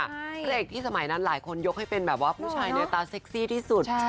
พระเอกที่สมัยนั้นหลายคนยกให้เป็นแบบว่าผู้ชายในตาเซ็กซี่ที่สุด